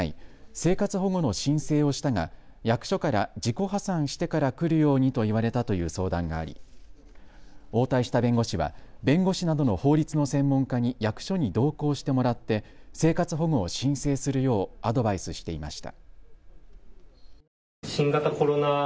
生活保護の申請をしたが役所から自己破産してから来るようにと言われたという相談があり応対した弁護士は弁護士などの法律の専門家に役所に同行してもらって生活保護を申請するようアドバイスしていました。